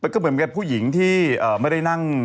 ก็เหมือนกับผู้หญิงที่ไม่ได้นั่ง